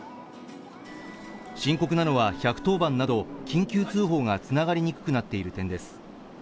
深刻なのは、１１０番通報など緊急通報がつながりにくくなっている点です。